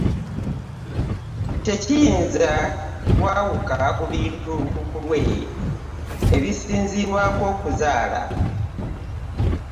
Tekiyinza kwawuka ku bintu lukulwe ebisinziirwako okuzaala.